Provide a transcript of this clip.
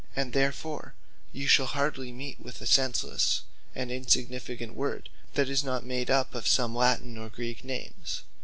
And therefore you shall hardly meet with a senselesse and insignificant word, that is not made up of some Latin or Greek names.